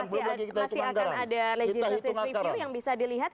masih akan ada legislative review yang bisa dilihat